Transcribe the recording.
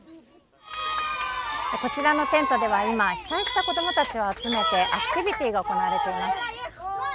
こちらの店舗では今、被災した子どもたちを集めてアクティビティが行われています。